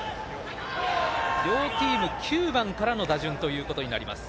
両チーム９番からの打順ということになります。